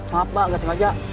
ha apa ga sengaja